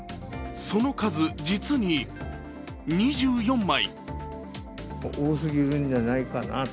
その数、実に２４枚。